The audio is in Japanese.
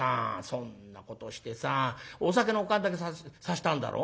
そんなことしてさお酒のお燗だけさしたんだろ。